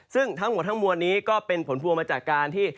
ซึ่งทั้งหมดทั้งมวลนี้ก็เป็นผลพวงมาจากการที่